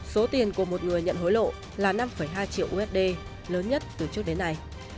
số tiền của một người nhận hối lộ là năm hai triệu usd lớn nhất từ trước đến nay